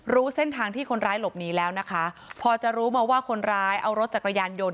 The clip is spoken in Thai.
รู้เส้นทางที่คนร้ายหลบหนีแล้วนะคะพอจะรู้มาว่าคนร้ายเอารถจักรยานยนต์